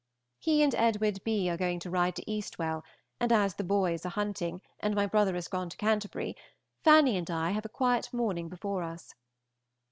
He and Edw. B. are going to ride to Eastwell, and as the boys are hunting, and my brother is gone to Canty., Fanny and I have a quiet morning before us.